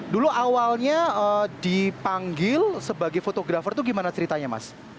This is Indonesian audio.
dulu awalnya dipanggil sebagai fotografer itu bagaimana ceritanya